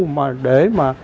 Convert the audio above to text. mà để mà